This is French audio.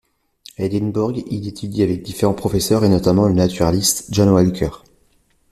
A Édimbourg il étudie avec différents professeurs, et notamment le naturaliste John Walker.